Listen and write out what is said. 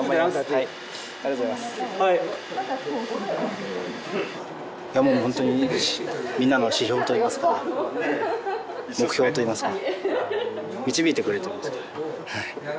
はいいやもうホントにみんなの指標といいますか目標といいますか導いてくれてますよね